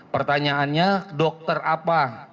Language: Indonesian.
pertanyaannya dokter apa